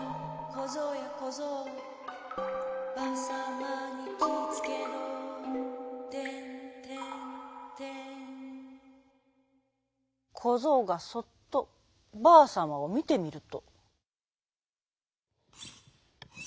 「こぞうやこぞうばさまにきいつけろ」「てんてんてん」こぞうがそっとばあさまをみてみると。